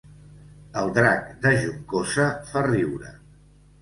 El drac de Juncosa fa riure